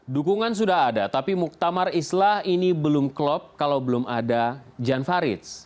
dukungan sudah ada tapi muktamar islah ini belum klop kalau belum ada jan faridz